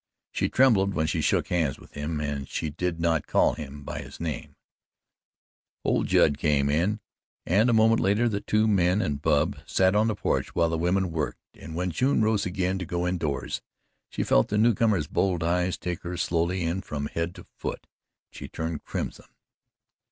She trembled when she shook hands with him and she did not call him by his name Old Judd came in, and a moment later the two men and Bub sat on the porch while the women worked, and when June rose again to go indoors, she felt the newcomer's bold eyes take her slowly in from head to foot and she turned crimson.